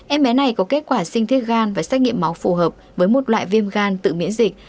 em bé này có kết quả sinh thiết gan và xét nghiệm máu phù hợp với một loại viêm gan tự miễn dịch